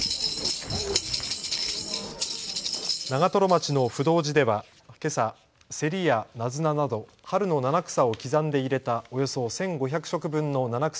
長瀞町の不動寺では、けさセリやナズナなど春の七草を刻んで入れたおよそ１５００食分の七草